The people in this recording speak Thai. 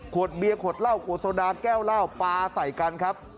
เบียร์ขวดเหล้าขวดโซดาแก้วเหล้าปลาใส่กันครับ